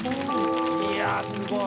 いやすごい。